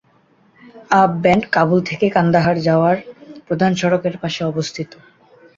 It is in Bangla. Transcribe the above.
আব ব্যান্ড কাবুল থেকে কান্দাহার যাওয়ার প্রধান সড়কের পাশে অবস্থিত।